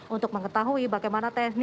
untuk mengetahui bagaimana